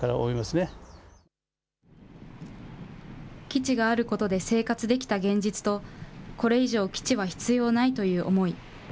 基地があることで生活できた現実と、これ以上基地は必要ないという思い。